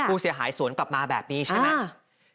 ผู้เสียหายสวนกลับมาแบบนี้ใช่ไหม